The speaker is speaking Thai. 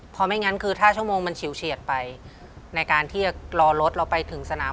เพราะไม่งั้นคือถ้าชั่วโมงมันฉิวเฉียดไปในการที่จะรอรถเราไปถึงสนาม